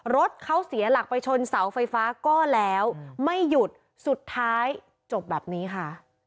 รถเขาเสียหลักไปชนเสาไฟฟ้าก็แล้วไม่หยุดสุดท้ายจบแบบนี้ค่ะ